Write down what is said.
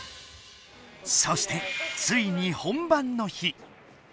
そしてついに本番の日。